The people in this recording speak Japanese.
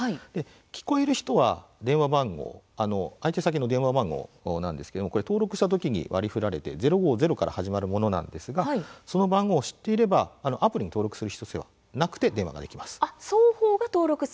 聞こえる人は相手先の電話番号なんですけれども登録したときに割り振られて０５０から始まるものなんですがそれを知っていればアプリに登録する必要はなく電話ができます。